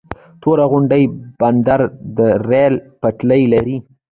تورغونډۍ بندر د ریل پټلۍ لري؟